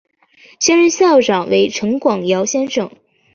现任校长为陈广尧先生。